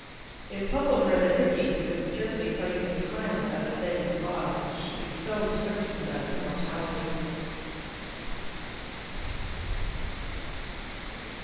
It puzzled her that Rickie, who could scarcely tell you the time without a saving clause, should be so certain about immortality.